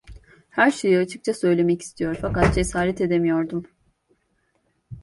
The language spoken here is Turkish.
Her şeyi açıkça söylemek istiyor, fakat cesaret edemiyordum.